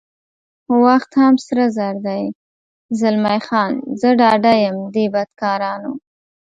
خو وخت هم سره زر دی، زلمی خان: زه ډاډه یم دې بدکارانو.